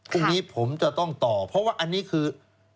พรุ่งนี้ผมจะต้องต่อเพราะว่าอันนี้คือ